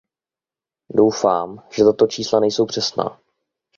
Doufám, že tato čísla nejsou přesná.